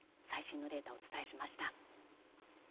最新のデータをお伝えしました。